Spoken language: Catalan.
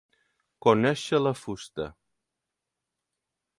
Conèixer la fusta.